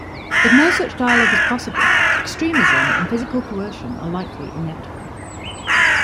If no such dialogue is possible, extremism and physical coercion are likely inevitable.